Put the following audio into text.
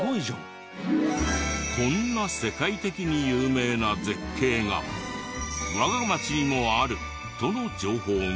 こんな世界的に有名な絶景が我が町にもあるとの情報が。